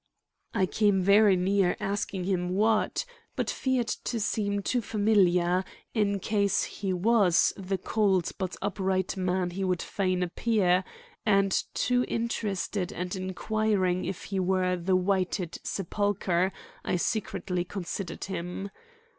I came very near asking him what, but feared to seem too familiar, in case he was the cold but upright man he would fain appear, and too interested and inquiring if he were the whited sepulcher I secretly considered him.